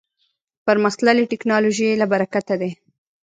پرمختللې ټکنالوژۍ له برکته دی.